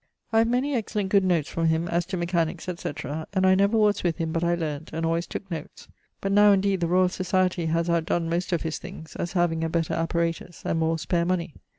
I have many excellent good notes from him as to mechaniques, etc., and I never was with him but I learn't, and alwayes tooke notes; but now indeed the Royall Societie haz out donne most of his things, as having a better apparatus, and more spare money.